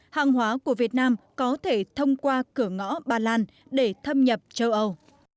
hàng hóa của việt nam có thể thông qua cửa ngõ ba lan để thâm nhập châu âu